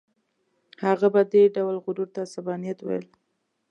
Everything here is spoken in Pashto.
هغه به دې ډول غرور ته عصبانیت ویل.